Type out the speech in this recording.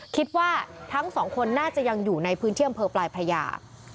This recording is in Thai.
คิดว่าทั้งสองคนน่าจะยังอยู่ในพื้นที่อำเภอปลายพระยา